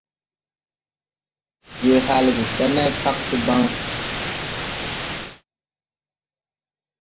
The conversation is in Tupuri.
Je halge da nãy kag debaŋ.